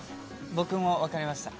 僕も分かりました。